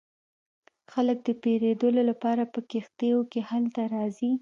خلک د پیرودلو لپاره په کښتیو کې هلته راځي